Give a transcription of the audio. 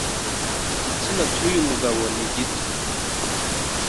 igitsina cy'uyu mugabo nigito